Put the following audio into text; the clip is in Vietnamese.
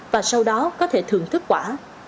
và sau đó có thể thưởng thức quả